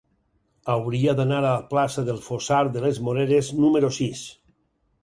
Hauria d'anar a la plaça del Fossar de les Moreres número sis.